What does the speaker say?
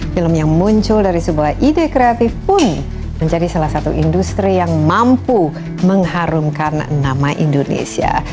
film yang muncul dari sebuah ide kreatif pun menjadi salah satu industri yang mampu mengharumkan nama indonesia